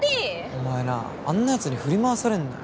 お前なあんなやつに振り回されんなよ。